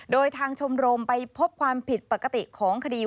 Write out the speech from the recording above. โดยทางชมรมไปพบความผิดปกติของคดี